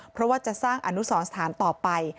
เพราะว่าจะสร้างอนุสรสถานต่อไป